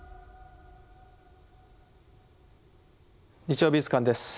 「日曜美術館」です。